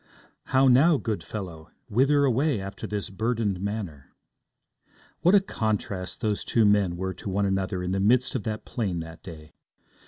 'How now, good fellow? Whither away after this burdened manner?' What a contrast those two men were to one another in the midst of that plain that day!